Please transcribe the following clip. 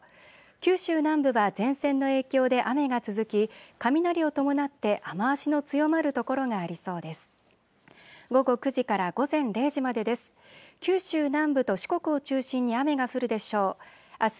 九州南部は前線の影響で雨が続き雷を伴って雨足の強まる所がありそうです。